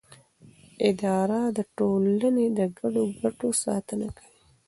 اداره د ټولنې د ګډو ګټو ساتنه کوي.